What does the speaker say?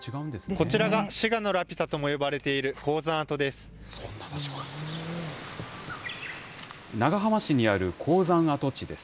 こちらが滋賀のラピュタとも呼ばれている鉱山跡です。